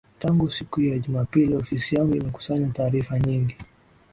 tangu siku ya jumapili ofisi yangu imekusanya taarifa nyingi